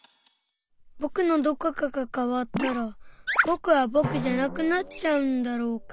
ぼくのどこかが変わったらぼくはぼくじゃなくなっちゃうんだろうか？